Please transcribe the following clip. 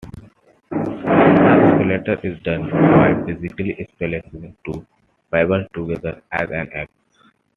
The splitter is done by physically splicing two fibers "together" as an X.